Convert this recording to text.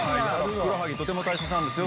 ふくらはぎとても大切なんですよ。